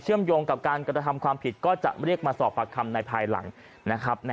โยงกับการกระทำความผิดก็จะเรียกมาสอบปากคำในภายหลังนะครับ